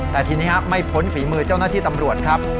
แต่ทีนี้ไม่พ้นฝีมือเจ้าหน้าที่ตำรวจครับ